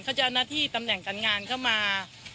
เขาจะเอาหน้าที่ตำแหน่งการงานเข้ามา